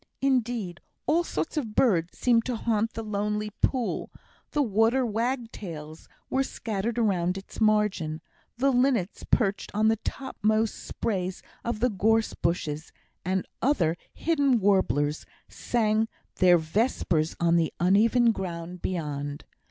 Indeed, all sorts of birds seemed to haunt the lonely pool; the water wagtails were scattered around its margin, the linnets perched on the topmost sprays of the gorse bushes, and other hidden warblers sang their vespers on the uneven ground beyond.